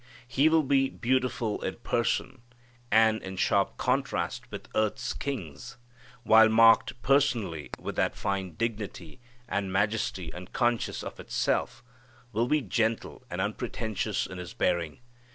He will be beautiful in person and, in sharp contrast with earth's kings, while marked personally with that fine dignity and majesty unconscious of itself, will be gentle and unpretentious in His bearing.